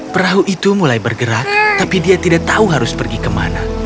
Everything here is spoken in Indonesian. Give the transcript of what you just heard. perahu itu mulai bergerak tapi dia tidak tahu harus pergi kemana